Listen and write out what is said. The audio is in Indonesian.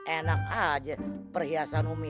enak aja perhiasan umi